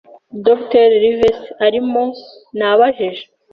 “Dr. Livesey arimo?” Nabajije.